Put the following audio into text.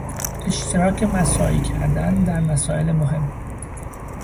اشتراک مساعی کردن در مسائل مهم